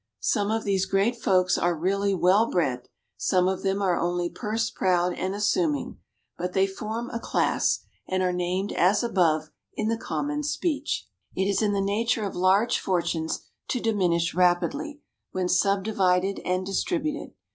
Some of these great folks are really well bred, some of them are only purse proud and assuming, but they form a class, and are named as above in the common speech. It is in the nature of large fortunes to diminish rapidly, when subdivided and distributed.